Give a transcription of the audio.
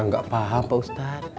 gak paham pak ustad